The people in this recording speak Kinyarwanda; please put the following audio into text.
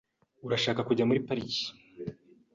Urashaka kujya muri pariki?